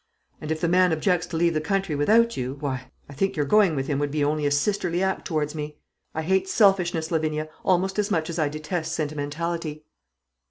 And if the man objects to leave the country without you, why, I think your going with him would be only a sisterly act towards me. I hate selfishness, Lavinia, almost as much as I detest sentimentality."